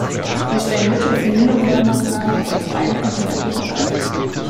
Wir stellen Mittel für Minenräummaßnahmen auf fast allen Kontinenten bereit.